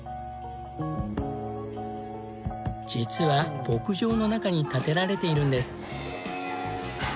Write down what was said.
実は牧場の中に建てられているんです。